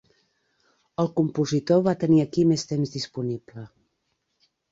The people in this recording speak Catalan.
El compositor va tenir aquí més temps disponible.